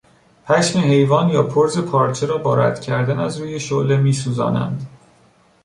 پشم حیوان یا پرز پارچه را با رد کردن از روی شعله میسوزانند.